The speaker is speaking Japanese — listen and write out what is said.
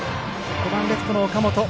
５番レフト、岡本。